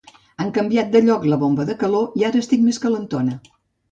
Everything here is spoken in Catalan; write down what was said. Han canviat de lloc la bomba de calor i ara estic més calentona